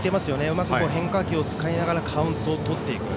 うまく変化球を使いながらカウントをとっていく。